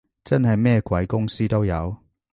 真係咩鬼公司都有